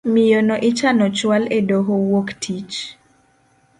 Miyono ichano chual edoho wuok tich.